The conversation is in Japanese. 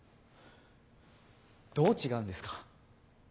どう違うんですか？